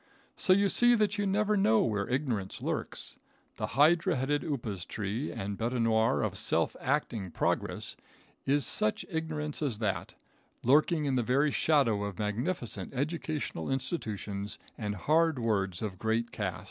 So you see that you never know where ignorance lurks. The hydra headed upas tree and bete noir of self acting progress, is such ignorance as that, lurking in the very shadow of magnificent educational institutions and hard words of great cast.